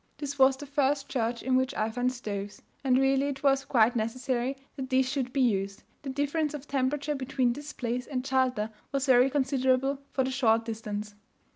This was the first church in which I found stoves, and really it was quite necessary that these should be used, the difference of temperature between this place and Jalta was very considerable for the short distance.